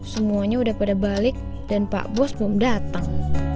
semuanya udah pada balik dan pak bos belum datang